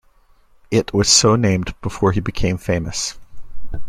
It was so named before he became famous.